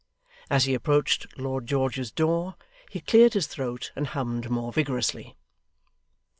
As he approached Lord George's door, he cleared his throat and hummed more vigorously.